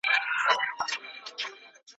ما یې په خوبونو کي سیندونه وچ لیدلي دي